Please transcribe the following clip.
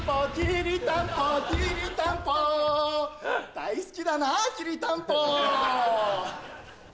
大好きだなきりたんぽ。